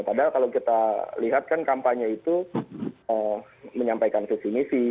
padahal kalau kita lihat kan kampanye itu menyampaikan visi misi